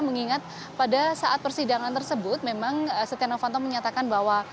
mengingat pada saat persidangan tersebut memang setia novanto menyatakan bahwa